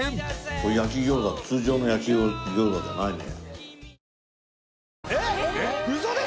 これ焼き餃子通常の焼き餃子じゃないね。